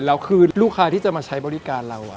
ลูกค้าที่จะมาใช้บริการเรา